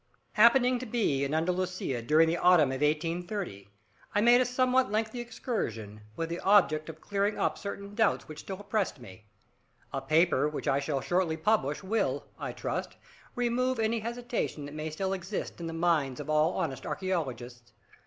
Happening to be in Andalusia during the autumn of 1830, I made a somewhat lengthy excursion, with the object of clearing up certain doubts which still oppressed me. A paper which I shall shortly publish will, I trust, remove any hesitation that may still exist in the minds of all honest archaeologists.